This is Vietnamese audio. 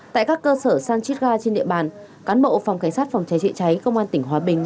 tại các cơ sở san chiết ga trên địa bàn cán bộ phòng cảnh sát phòng cháy chữa cháy công an tỉnh hòa bình